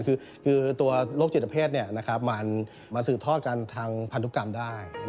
คือตัวโรคจิตเพศมันสืบทอดกันทางพันธุกรรมได้